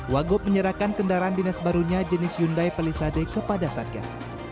wagub menyerahkan kendaraan dinas barunya jenis hyundai pelisade kepada satgas